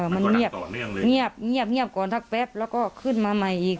มันเงียบเงียบก่อนทักแป๊บแล้วก็ขึ้นมาใหม่อีก